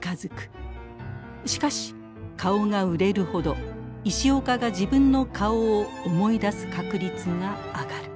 しかし顔が売れるほど石岡が自分の顔を思い出す確率が上がる。